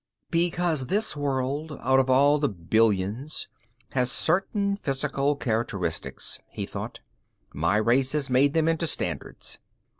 Because this world, out of all the billions, has certain physical characteristics, he thought, _my race has made them into standards.